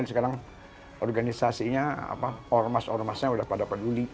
sekarang organisasinya ormas ormasnya sudah pada peduli